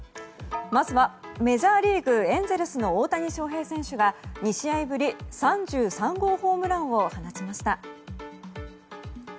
まずはメジャーリーグエンゼルスの大谷翔平選手が２試合ぶり、３３号ホームランを放ちました。